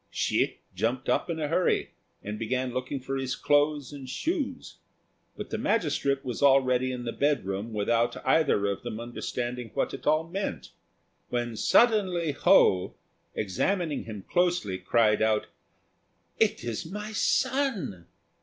Hsi jumped up in a hurry, and began looking for his clothes and shoes; but the magistrate was already in the bedroom without either of them understanding what it all meant: when suddenly Ho, examining him closely, cried out, "It is my son!"